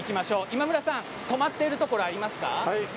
今村さん、止まっているところありますか？